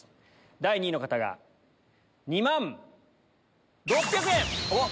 第２位の方が２万６００円！